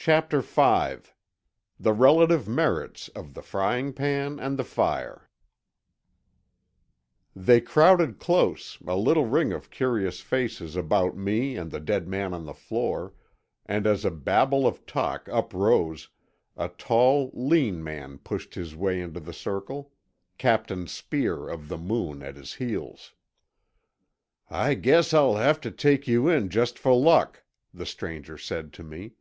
CHAPTER V—THE RELATIVE MERITS OF THE FRYING PAN AND THE FIRE They crowded close, a little ring of curious faces, about me and the dead man on the floor, and as a babel of talk uprose a tall, lean man pushed his way into the circle, Captain Speer of the Moon at his heels. "I guess I'll have to take you in just for luck," the stranger said to me.